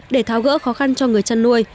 để tháo gỡ khó khăn cho người chăn nuôi